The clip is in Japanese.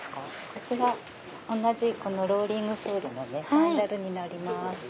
こちら同じローリングソールのサンダルになります。